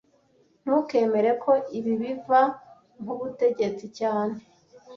Ntukemere ko ibi biva kubutegetsi cyane